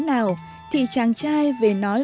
nào thì chàng trai về nói